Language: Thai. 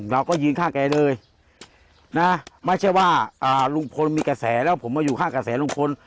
เราก็ยืนข้างแกเลยนะไม่ใช่ว่าลุงพลมีกระแสแล้วผมมาอยู่ข้างกระแสลุงพล